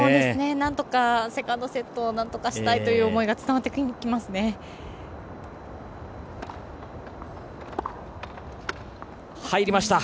なんとかセカンドセットをなんとかしたいという気持ちが伝わってきますね。